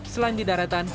selain di daratan